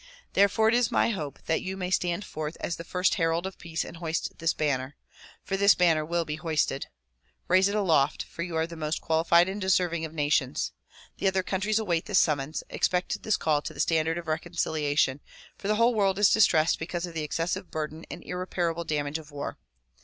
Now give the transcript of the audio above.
Therefore it is my hope that you may stand forth as the first herald of peace and hoist this banner ; for this banner will be hoisted. Raise it aloft, for you are the most qualified and deserving of nations. The other countries await this summons, expect this call to the standard of reconciliation, for the whole world is distressed because of the excessive burden and irreparable damage of war.